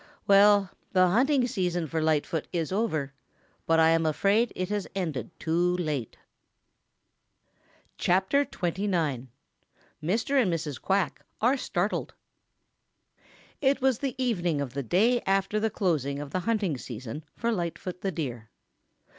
Well, the hunting season for Lightfoot is over, but I am afraid it has ended too late." CHAPTER XXIX Mr. AND MRS. QUACK ARE STARTLED It was the evening of the day after the closing of the hunting season for Lightfoot the Deer.